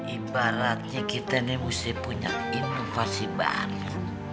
ibaratnya kita ini mesti punya inovasi baru